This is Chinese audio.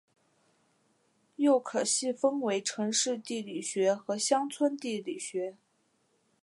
又可细分为城市地理学和乡村地理学。